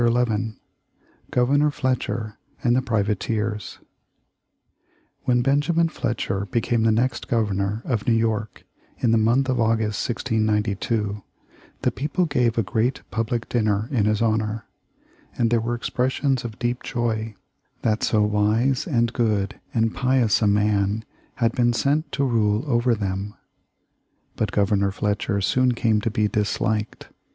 CHAPTER XI GOVERNOR FLETCHER and the PRIVATEERS When Benjamin Fletcher became the next Governor of New York, in the month of August, 1692, the people gave a great public dinner in his honor, and there were expressions of deep joy that so wise and good and pious a man had been sent to rule over them. But Governor Fletcher soon came to be disliked.